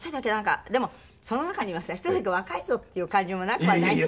でもその中にはさ１人だけ若いぞっていう感じもなくはない。